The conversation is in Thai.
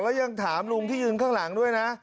แล้วยังถามลุงที่ยืนข้างหลังด้วยนะ